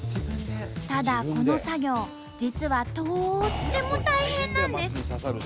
ただこの作業実はとっても大変なんです。